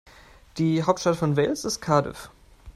Die Hauptstadt von Wales ist Cardiff.